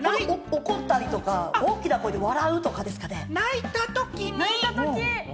怒るとか、大きな声で笑うとかですかね？